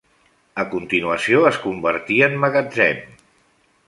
A continuació es convertí en magatzem.